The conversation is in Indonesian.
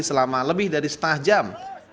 selama lebih dari setengah jam